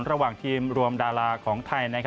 ระหว่างทีมรวมดาราของไทย